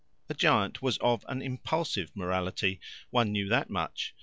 A giant was of an impulsive morality one knew that much.